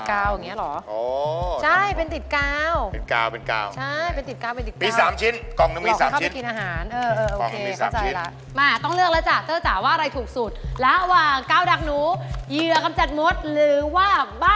ขอถามเพื่อนก่อนได้ไหมครับ